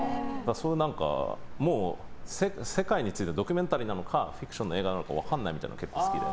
もう世界についてドキュメンタリーなのかフィクションの映画なのか分からない映画が好きで。